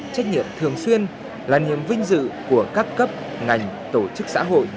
trách nhiệm thường xuyên là niềm vinh dự của các cấp ngành tổ chức xã hội